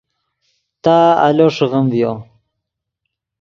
تا آلو ݰیغیم ڤیو